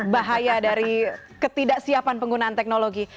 bahaya dari ketidaksiapan penggunaan teknologi